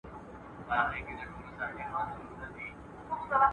چی له ظلمه تښتېدلی د انسان وم